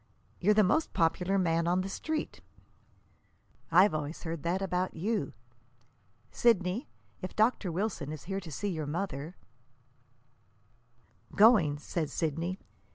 You're the most popular man on the Street." "I've always heard that about YOU. Sidney, if Dr. Wilson is here to see your mother " "Going," said Sidney.